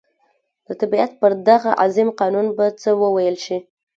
د طبعیت پر دغه عظیم قانون به څه وویل شي.